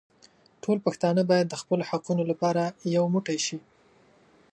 ټول پښتانه بايد د خپلو حقونو لپاره يو موټي شي.